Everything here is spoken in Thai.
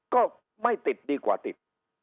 ก็ไม่ติดดีกว่าติด